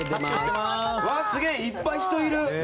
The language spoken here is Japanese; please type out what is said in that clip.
すごい、いっぱい人いる！